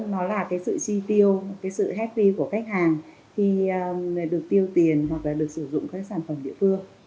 nó là cái sự chi tiêu cái sự happy của khách hàng khi được tiêu tiền hoặc là được sử dụng các sản phẩm địa phương